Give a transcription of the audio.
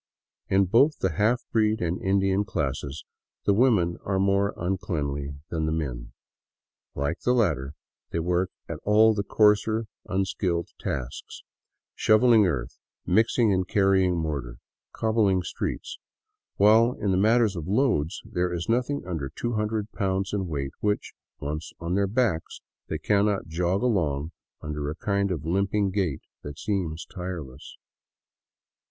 In both the half breed and Indian classes the women are more uncleanly than the men. Like the latter, they work at all the coarser unskilled tasks, shoveling earth, mixing and carrying mortar, cobbling streets ; while in the mat ters of loads there is nothing under two hundred pounds in weight which, once on their backs, they cannot jog along under at a kind of limping gait that seems tireless.